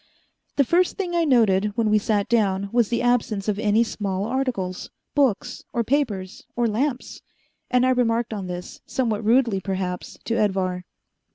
The first thing I noted when we sat down was the absence of any small articles books or papers or lamps and I remarked on this, somewhat rudely perhaps, to Edvar.